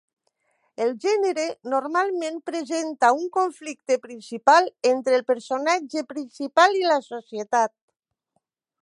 El gènere normalment presenta un conflicte principal entre el personatge principal i la societat.